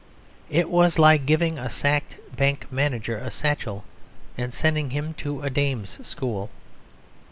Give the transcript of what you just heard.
It was like giving a sacked bank manager a satchel and sending him to a dame's school.